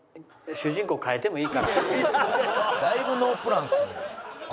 だいぶノープランですね。